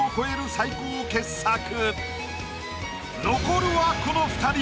残るはこの２人。